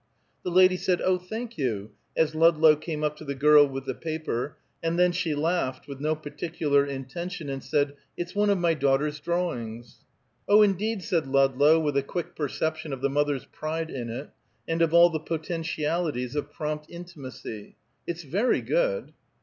The lady said, "Oh, thank you," as Ludlow came up to the girl with the paper, and then she laughed with no particular intention, and said, "It's one of my daughter's drawings." "Oh, indeed!" said Ludlow, with a quick perception of the mother's pride in it, and of all the potentialities of prompt intimacy. "It's very good."